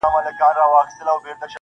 د ژوندون ساز كي ائينه جوړه كړي,